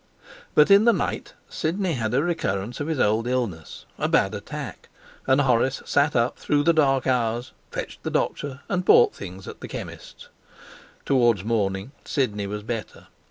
But in the night Sidney had a recurrence of his old illness a bad attack; and Horace sat up through the dark hours, fetched the doctor, and bought things at the chemist's. Towards morning Sidney was better.